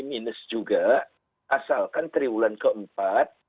minus juga asalkan triwulan keempat